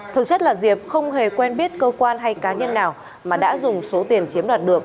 thực chất là diệp không hề quen biết cơ quan hay cá nhân nào mà đã dùng số tiền chiếm đoạt được